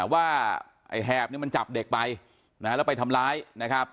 ว่าไอ้แหบเนี่ยมันจับเด็กไปแล้วไปทำร้ายนะครับ